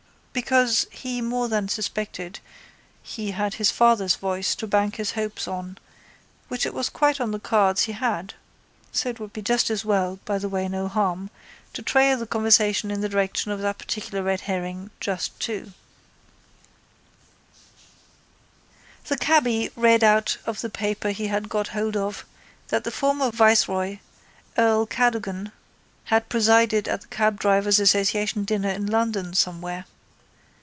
Because he more than suspected he had his father's voice to bank his hopes on which it was quite on the cards he had so it would be just as well, by the way no harm, to trail the conversation in the direction of that particular red herring just to. The cabby read out of the paper he had got hold of that the former viceroy, earl Cadogan, had presided at the cabdrivers' association dinner in London somewhere.